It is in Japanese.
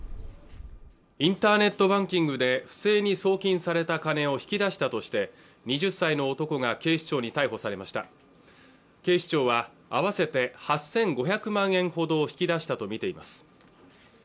インターネットバンキングで不正に送金された金を引き出したとして２０歳の男が警視庁に逮捕されました警視庁は合わせて８５００万円ほどを引き出したとみています